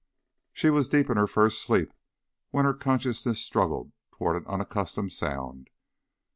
She was deep in her first sleep when her consciousness struggled toward an unaccustomed sound.